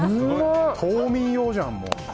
冬眠用じゃん。